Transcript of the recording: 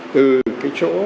từ cái chỗ